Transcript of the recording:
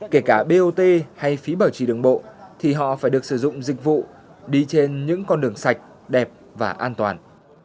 kể cả bot hay phí bảo trì đường bộ thì họ phải được sử dụng dịch vụ đi trên những con đường sạch đẹp và an toàn